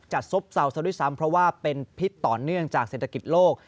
ซบเศร้าซะด้วยซ้ำเพราะว่าเป็นพิษต่อเนื่องจากเศรษฐกิจโลก